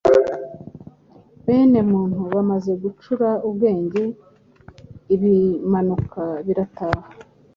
bene Muntu bamaze gucura ubwenge, Ibimanuka birataha,